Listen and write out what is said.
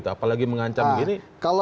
apalagi mengancam begini